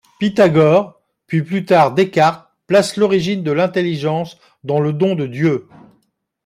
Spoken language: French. Pythagore puis, plus tard, Descartes, placent l'origine de l’intelligence dans le don de Dieu.